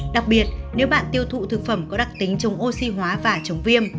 đặc biệt nếu bạn tiêu thụ thực phẩm có đặc tính chống oxy hóa và chống viêm